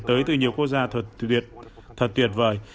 tới từ nhiều quốc gia thật tuyệt vời